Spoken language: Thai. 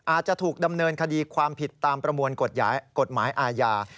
อาจจะถูกดำเนินคดีความผิดตามประมวลกฎหมายอาญา